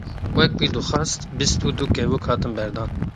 Wek wî dixwest, bîst û dû kevok hatin berdan.